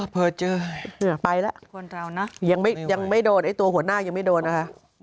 พอเจอไปแล้วคนเรานะยังไม่โดนไอ้ตัวหัวหน้ายังไม่โดนนะคะ